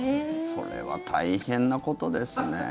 それは大変なことですね。